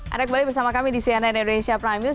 anda kembali bersama kami di cnn indonesia prime news